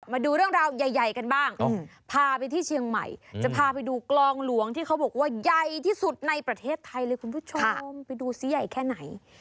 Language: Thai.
มาดูเรื่องราวใหญ่กันบ้างพาไปที่เชียงใหม่จะพาไปดูกลองหลวงที่เขาบอกว่าใหญ่ที่สุดในประเทศไทยเลยคุณผู้ชมไปดูซิใหญ่แค่ไหน